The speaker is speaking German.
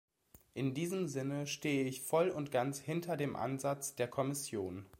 In diesem Sinne stehe ich voll und ganz hinter dem Ansatz der Kommission.